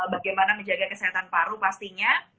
bagaimana menjaga kesehatan paru pastinya